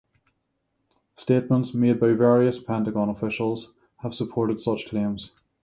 Statements made by various Pentagon officials have supported such claims.